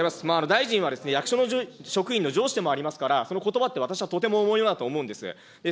大臣はですね、役所の職員の上司でもありますから、そのことばって私はとても重いなと思うんです。